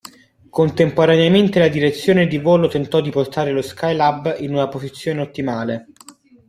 Contemporaneamente la direzione di volo tentò di portare lo Skylab in una posizione ottimale.